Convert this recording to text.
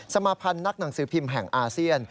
มาพันธ์นักหนังสือพิมพ์แห่งอาเซียน